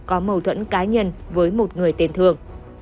có mâu thuẫn cá nhân với một người tên thương